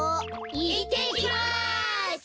いってきます！